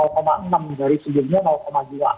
ke enam dari sebelumnya dua